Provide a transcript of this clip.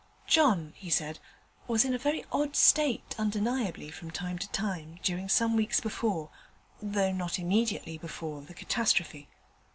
'John,' he said, 'was in a very odd state, undeniably, from time to time, during some weeks before, though not immediately before, the catastrophe.